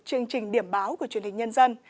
chương trình điểm báo của truyền hình nhân dân